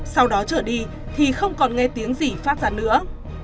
sau đó trở đi thì không còn nghe tiếng gì phát ra nữa